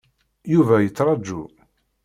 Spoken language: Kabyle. Yuba yettraǧu.